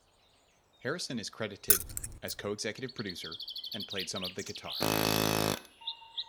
Harrison is credited as co-executive producer, and played some of the guitar.